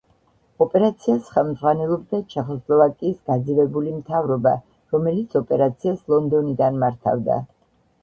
ოპერაციას ხელმძღვანელობდა ჩეხოსლოვაკიის გაძევებული მთავრობა, რომელიც ოპერაციას ლონდონიდან მართავდა.